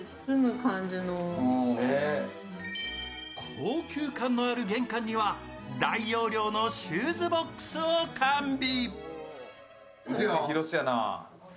高級感のある玄関には大容量のシューズボックスを完備。